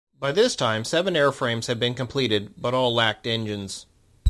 By this time seven airframes had been completed, but all lacked engines.